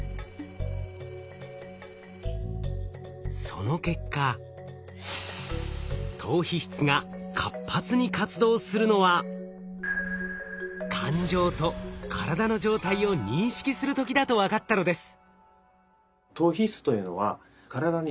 その結果島皮質が活発に活動するのは感情と体の状態を認識する時だと分かったのです。